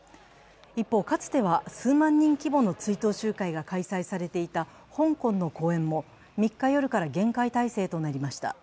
一方、かつては数万人規模の追悼集会が開催されていた香港の公園も、３日夜から厳戒態勢となりました。